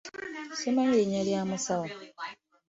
Simanyi linnya lya musawo .